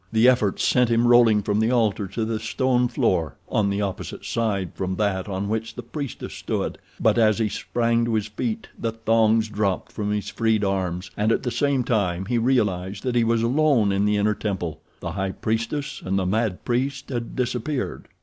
The effort sent him rolling from the altar to the stone floor on the opposite side from that on which the priestess stood; but as he sprang to his feet the thongs dropped from his freed arms, and at the same time he realized that he was alone in the inner temple—the high priestess and the mad priest had disappeared.